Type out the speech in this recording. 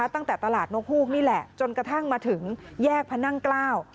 ตั้งแต่ตลาดนกฮูกนี่แหละจนกระทั่งมาถึงแยกพระนั่งเกล้า